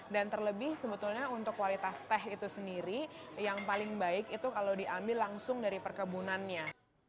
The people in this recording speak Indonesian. dan terlebih sebetulnya untuk kualitas teh itu sendiri yang paling baik itu kalau diambil langsung dari perkebunannya